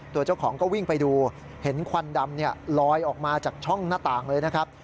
ตัวเจ้าของก็วิ่งไปดูเห็นควันดำลอยออกมาจากช่องหน้าต่างเลยนะครับ